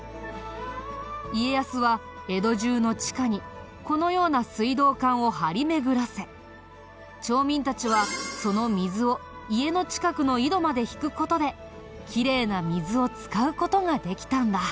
家康は江戸中の地下にこのような水道管を張り巡らせ町民たちはその水を家の近くの井戸まで引く事できれいな水を使う事ができたんだ。